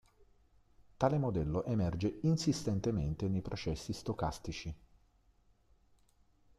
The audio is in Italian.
Tale modello emerge insistentemente nei processi stocastici.